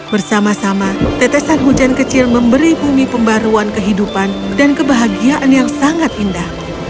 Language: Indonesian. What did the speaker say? bersama sama tetesan hujan kecil memberi bumi pembaruan kehidupan dan kebahagiaan yang sangat indah